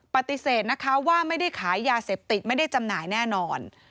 ปฏิเสธนะคะว่าไม่ได้ขายยาเสพติดไม่ได้จำหน่ายแน่นอน